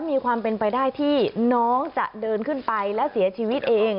มีความเป็นไปได้ที่น้องจะเดินขึ้นไปและเสียชีวิตเอง